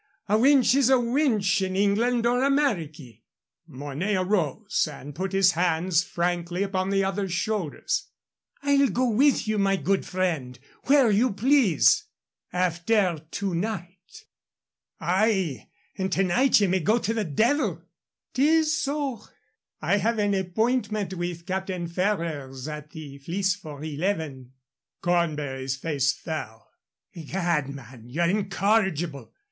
A wench is a wench in England or Ameriky." Mornay arose and put his hands frankly upon the other's shoulders. "I'll go with you, my good friend, where you please after to night." "Ay, and to night ye may go to the devil " "'Tis so. I have an appointment with Captain Ferrers at the Fleece for eleven." Cornbury's face fell. "Egad, man, ye're incorrigible!